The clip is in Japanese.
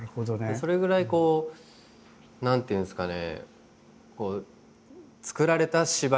それぐらいこう何ていうんですかね